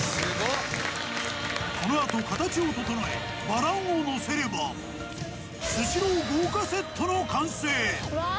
このあと形を整えバランをのせればスシロー豪華セットの完成！